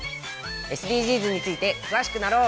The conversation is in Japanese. ＳＤＧｓについてくわしくなろう！